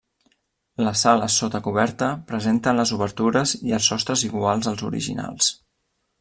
Les sales sota coberta presenten les obertures i els sostres iguals als originals.